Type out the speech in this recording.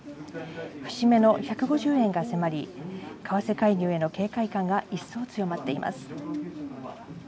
節目の１５０円が迫り、為替介入への警戒感が一層強まっています。